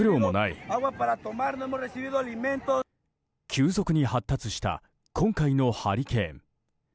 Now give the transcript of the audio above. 急速に発達した今回のハリケーン。